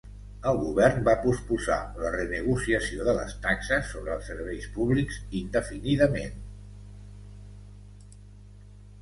El govern va posposar la renegociació de les taxes sobre els serveis públics indefinidament.